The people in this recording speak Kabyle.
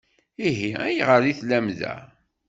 Ihi ayɣer i tellam da?